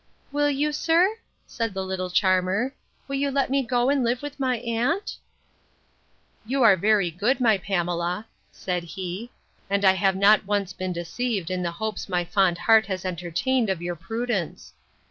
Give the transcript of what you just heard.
Will you, sir? said the little charmer; will you let me go and live with my aunt? You are very good, my Pamela, said he. And I have not once been deceived in the hopes my fond heart has entertained of your prudence.